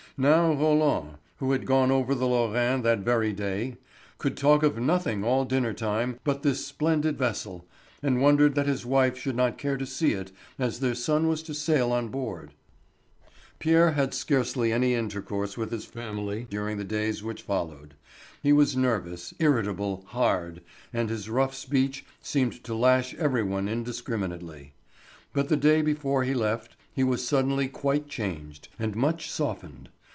Now Roland, who had gone over the Lorraine that very day, could talk of nothing all dinnertime but this splendid vessel, and wondered that his wife should not care to see it as their son was to sail on board. Pierre had scarcely any intercourse with his family during the days which followed. He was nervous, irritable, hard, and his rough speech seemed to lash every one indiscriminately. But the day before he left he was suddenly quite changed, and much softened.